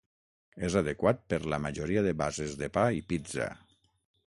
És adequat per la majoria de bases de pa i pizza.